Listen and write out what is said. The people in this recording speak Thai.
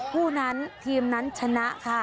คู่นั้นทีมนั้นชนะค่ะ